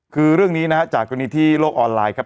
คือเรื่องนี้นะฮะจากกรณีที่โลกออนไลน์ครับ